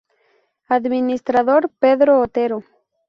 Administrador: Pedro Otero.